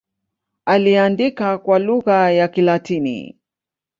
Aliandika kwa lugha ya Kilatini.